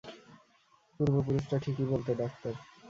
পূর্বপুরুষরা ঠিকই বলতো, ডাক্তার।